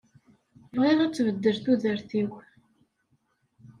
Bɣiɣ ad tbeddel tudert-iw.